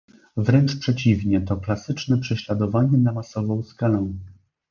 Wręcz przeciwnie, to klasyczne prześladowanie na masową skalę